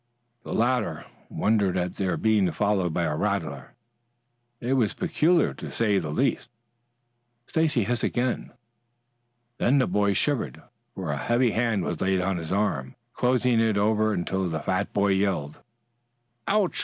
The latter wondered at their being followed by a rattler. It was peculiar to say the least. Stacy hissed again. Then the boy shivered, for a heavy hand was laid on his arm, closing over it until the fat boy yelled. "Ouch!